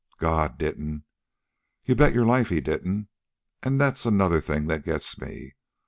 "God didn't." "You bet your life he didn't. An' that's another thing that gets me.